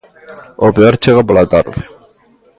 O peor chega pola tarde.